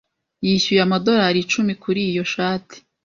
Yishyuye amadorari icumi kuri iyo shati.